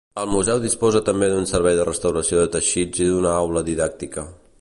El museu disposa també d'un servei de restauració de teixits i d'una aula didàctica.